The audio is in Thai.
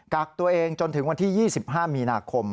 กักตัวเองจนถึงวันที่๒๕มีนาคม